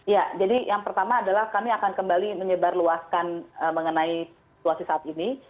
ya jadi yang pertama adalah kami akan kembali menyebarluaskan mengenai situasi saat ini